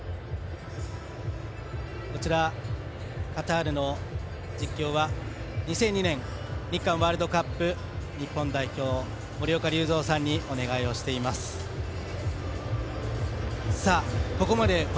こちら、カタールの解説は２００２年日韓ワールドカップ日本代表森岡隆三さんにお願いしています。